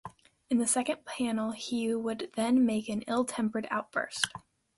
In the second panel he would then make an ill-tempered outburst.